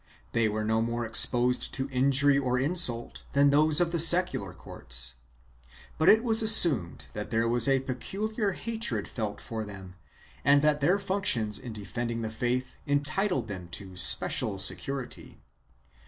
They were no more exposed to injury or insult than those of the secular courts, but it was assumed that there was a peculiar hatred felt for them and that their functions in defending the faith entitled them to special security.